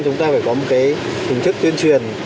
chúng ta phải có một cái hình thức tuyên truyền